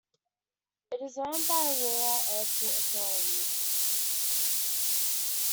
It is owned by Aurora Airport Authority.